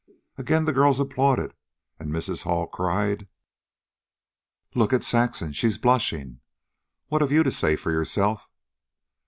Again the girls applauded, and Mrs. Hall cried: "Look at Saxon! She blushing! What have you to say for yourself?"